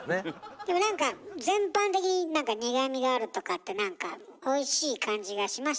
でもなんか全般的に苦みがあるとかってなんかおいしい感じがしましたね。